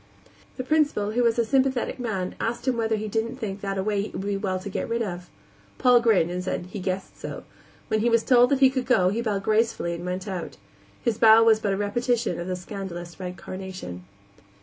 The Principal, who was a sympathetic man, asked him whether he didn't think that a way it would be well to get rid of. Paul grinned and said he guessed so. When he was told that he could go he bowed gracefully and went out. His bow was but a repetition of the scandalous red carnation.